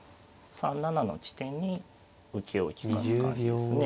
３七の地点に受けを利かす感じですね。